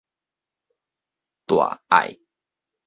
大隘